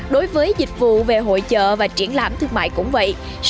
đối với dịch vụ về hội chợ và triển lãm thương mại cũng vậy